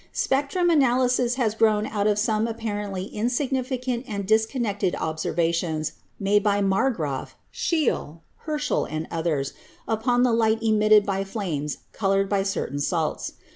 Spectrum analysis has grown out of some apparently insignificant and disconnected observations made by Marggraf, Scheele, Herschel and others upon the light emitted by flames colored by certain salts.